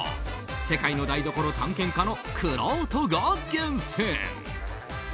世界の台所探検家のくろうとが厳選！